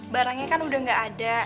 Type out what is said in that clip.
barangnya kan udah gak ada